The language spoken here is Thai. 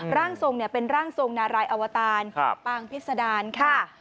ร่างทรงเป็นร่างทรงนารายอวตารปางพิษดารค่ะ